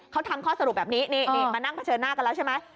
เขาทำข้อสรุปแบบนี้นี่มานั่งเผชิญหน้ากันแล้วใช่ไหม